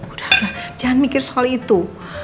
udah jangan mikir soal itu